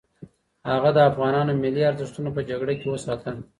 هغه د افغانانو ملي ارزښتونه په جګړه کې وساتل.